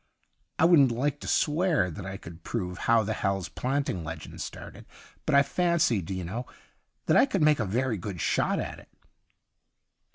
I wouldn't like to swear that I could prove how the Hal's Planting legend started ; but I fancy, do you know, that I could make a very good shot at it.'